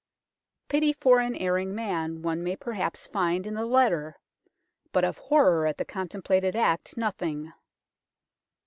Pity for an erring man one may perhaps find in the letter, but of horror at the contemplated act nothing.